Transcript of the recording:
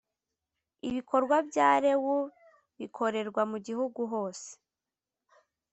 ibikorwa bya rewu bikorerwa mu gihugu hose